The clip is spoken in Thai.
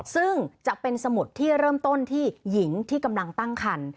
ซึ่งจะเป็นสมุดที่เริ่มต้นที่หญิงที่กำลังตั้งคัน